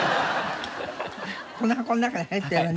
この箱の中に入ってればね。